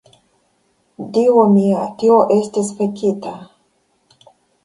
... Dio mia, tio estis fekita!